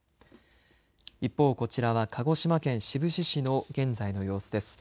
一方こちらは鹿児島県志布志市の現在の様子です。